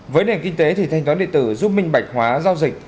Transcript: với nền kinh tế thì thanh toán điện tử giúp minh bạch hóa giao dịch